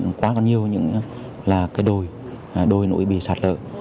vượt quá nhiều những cái đồi đồi núi bị sạt lở